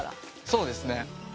そうですね。